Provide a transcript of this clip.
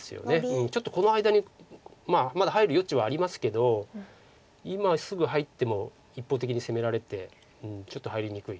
ちょっとこの間にまだ入る余地はありますけど今すぐ入っても一方的に攻められてちょっと入りにくい。